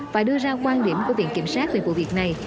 và đưa ra quan điểm của viện kiểm sát về vụ việc này